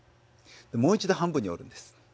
もう一度半分に折るんです。